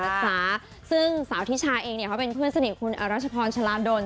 และรักษาซึ่งสาวที่ชายเองเป็นเพื่อนสนิทคุณรัชพรชลาดล